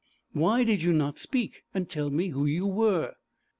'Why did you not speak and tell me who you were?'